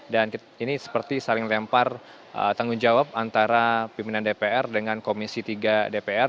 dan ini seperti saling lempar tanggung jawab antara pimpinan dpr dengan komisi tiga dpr